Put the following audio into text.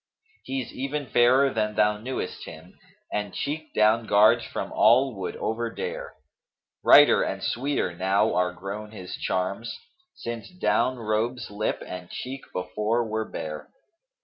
He's even fairer than thou knewest him, * And cheek down guards from all would overdare. Brighter and sweeter now are grown his charms, * Since down robes lip and cheek before were bare.